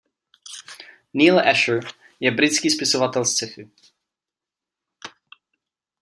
Neal Asher je britský spisovatel sci-fi.